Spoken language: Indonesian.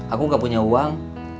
aku gak punya uang